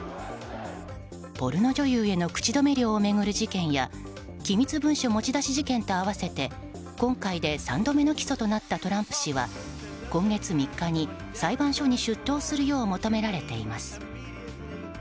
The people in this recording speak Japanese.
ポルノ女優への口止め料を巡る事件や機密文書持ち出し事件と合わせて今回で３度目の起訴となったトランプ氏は今月３日に裁判所に出頭するよう求められています。